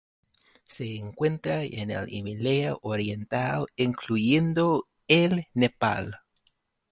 Se encuentra en el Himalaya oriental, incluyendo el Nepal.